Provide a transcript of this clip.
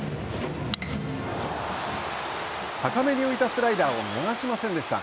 高めに浮いたスライダーを逃しませんでした。